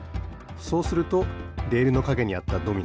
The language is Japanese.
そうするとレールのかげにあったドミノ